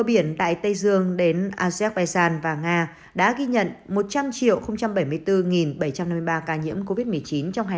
biển tại tây dương đến asean và nga đã ghi nhận một trăm linh triệu bảy mươi bốn bảy trăm năm mươi ba ca nhiễm covid một mươi chín trong hai